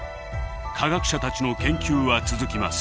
科学者たちの研究は続きます。